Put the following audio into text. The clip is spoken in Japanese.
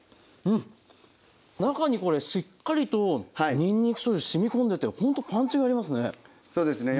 中にこれしっかりとにんにくしょうゆしみこんでてほんとパンチがありますね。